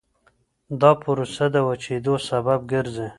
دا پروسه د وچېدو سبب ګرځي.